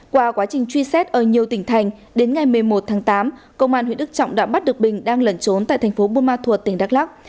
qua quá trình truy xét ở nhiều tỉnh thành đến ngày một mươi một tháng tám công an huyện đức trọng đã bắt được bình đang lẩn trốn tại thành phố buôn ma thuột tỉnh đắk lắc